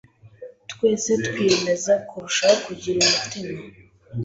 Twese twiyemeze kurushaho kugira umutima